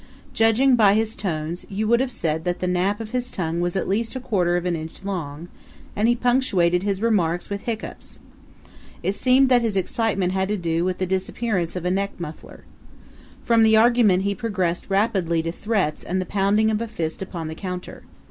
Judging by his tones, you would have said that the nap of his tongue was at least a quarter of an inch long; and he punctuated his remarks with hiccoughs. It seemed that his excitement had to do with the disappearance of a neck muffler. From argument he progressed rapidly to threats and the pounding of a fist upon the counter.